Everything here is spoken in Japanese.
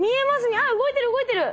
あっ動いてる動いてる。